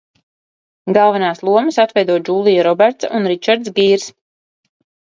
Galvenās lomas atveido Džūlija Robertsa un Ričards Gīrs.